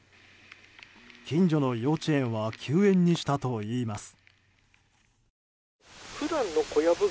近所の幼稚園は休園にしたといいます。